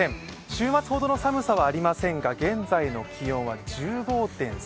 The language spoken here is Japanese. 週末ほどの寒さはありませんが現在の気温は、１５．３度。